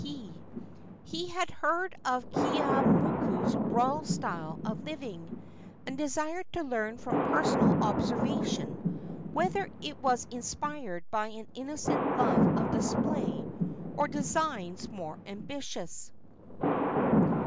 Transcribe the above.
He had heard of Keeaumoku's royal style of living, and desired to learn from personal observation whether it was inspired by an innocent love of display or designs more ambitious.